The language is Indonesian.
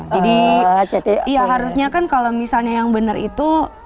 jadi ya harusnya kan kalau misalnya yang benar itu